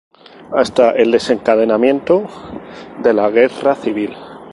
Hasta el desencadenamiento de la Guerra Civil.